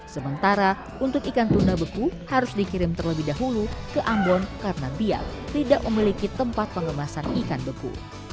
sementara untuk ikan tuna beku harus dikirim terlebih dahulu ke ambon karena biak tidak memiliki tempat pengemasan ikan beku